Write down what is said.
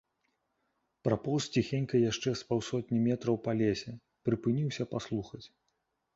Прапоўз ціхенька яшчэ з паўсотні метраў па лесе, прыпыніўся паслухаць.